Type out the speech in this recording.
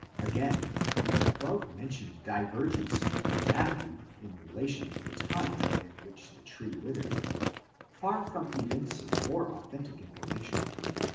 Again, the above mentioned divergency from Matthew in relation to the time within which the tree withered, far from evincing more authentic information